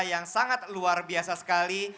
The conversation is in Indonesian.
yang sangat luar biasa sekali